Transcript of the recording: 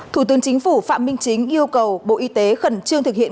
thủ tướng chính phủ phạm minh chính yêu cầu bộ y tế khẩn trương thực hiện